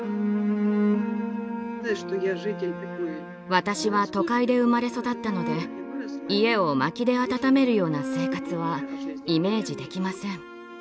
私は都会で生まれ育ったので家を薪で暖めるような生活はイメージできません。